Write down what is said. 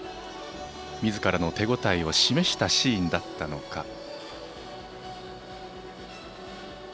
みずからの手応えを示したシーンだったのか。